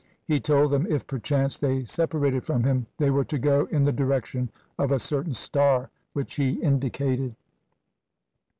He told them, if perchance they separated from him, they were to go in the direction of a certain star which he indicated.